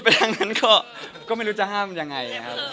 แล้วเวลาถ้ามีคนมาโฟกัสพิจุดอะไรงี้